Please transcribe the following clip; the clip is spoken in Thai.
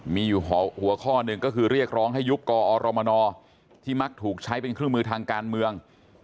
มีอยู่หัวข้อหนึ่งก็คือเรียกร้องให้ยุบกอรมนที่มักถูกใช้เป็นเครื่องมือทางการเมือง